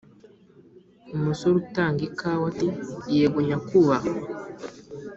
umusore utanga ikawa ati" yego nyakubahwa